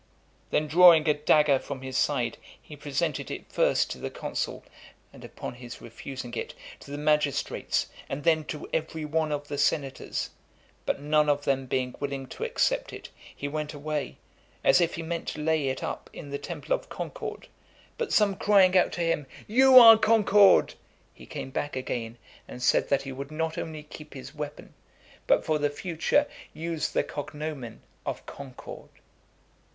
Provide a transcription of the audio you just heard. Then drawing a dagger from his side, he presented it first to the consul, and, upon his refusing it, to the magistrates, and then to every one of the senators; but none of them being willing to accept it, he went away, as if he meant to lay it up in the temple of Concord; but some crying out to him, "You are Concord," he came back again, and said that he would not only keep his weapon, but for the future use the cognomen of Concord.